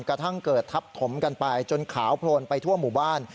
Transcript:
กระทั่งเกิดทับถมกันไปจนขาวโพลนไปทั่วหมู่บ้าน